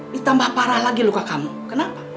ditambah parah lagi luka kamu kenapa